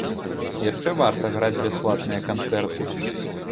Яшчэ варта граць бясплатныя канцэрты.